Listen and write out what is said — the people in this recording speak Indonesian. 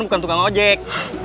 bukan tukang ojek